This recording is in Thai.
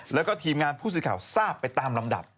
แล้วก็ทีมงานผู้สื่อข่าวทราบไปตามลำดับ